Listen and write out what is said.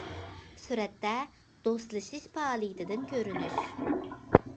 سۈرەتتە: دوستلىشىش پائالىيىتىدىن كۆرۈنۈش.